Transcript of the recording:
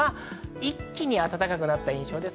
一気に暖かくなった印象です。